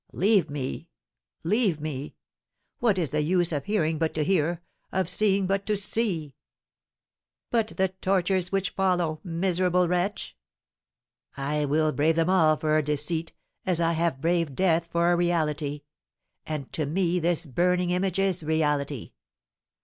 "Leave me, leave me! What is the use of hearing but to hear, of seeing but to see?" "But the tortures which follow, miserable wretch!" "I will brave them all for a deceit, as I have braved death for a reality; and to me this burning image is reality.